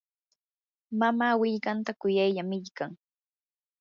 mamaa willkantan kuyaylla millqan.